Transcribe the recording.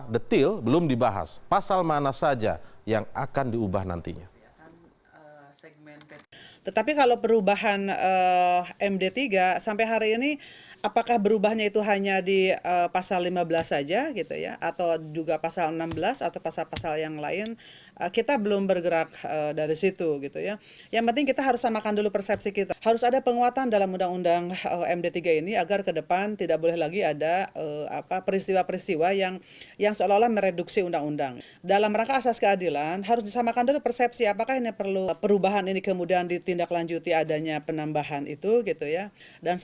dan juga untuk mencari penambahan pimpinan dari pembangunan pembangunan